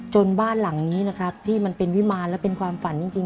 บ้านหลังนี้นะครับที่มันเป็นวิมารและเป็นความฝันจริง